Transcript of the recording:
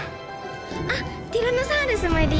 あっティラノサウルスもいるよ！